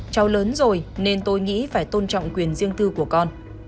cháu lớn rồi nên tôi nghĩ phải tôn trọng quyền riêng tư của con